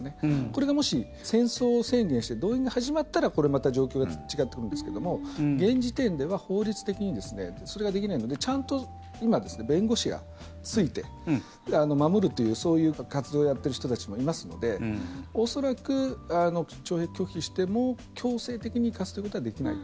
これが、もし戦争宣言して動員が始まったらこれまた状況が違ってくるんですけども現時点では法律的にそれができないのでちゃんと今、弁護士がついて守るというそういう活動をやってる人たちもいますので恐らく、徴兵拒否しても強制的に行かすことはできない。